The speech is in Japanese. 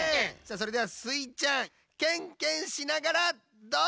それではスイちゃんケンケンしながらどうぞ！